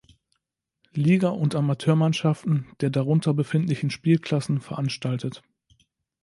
Liga und Amateurmannschaften der darunter befindlichen Spielklassen veranstaltet.